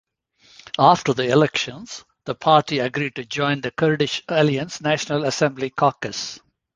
After the elections, the party agreed to join the Kurdish alliance's National Assembly caucus.